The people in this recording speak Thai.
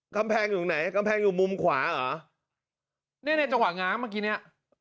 กำแพงอยู่ตรงไหนกำแพงอยู่มุมขวาเหรอเนี่ยในจังหวะง้างเมื่อกี้เนี้ย